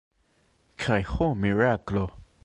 Kaj, ho miraklo!